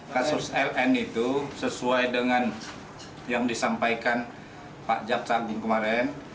kasus ln itu sesuai dengan yang disampaikan pak jaksa agung kemarin